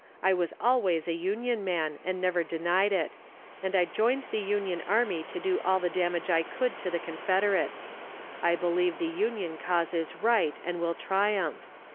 I was always a Union man, and never denied it; and I joined the Union army to do all the damage I could to the Confederates. I believe the Union cause is right, and will triumph.